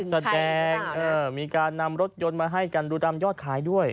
แสดงมีการนำรถยนต์มาให้กันดูตามยอดขายด้วย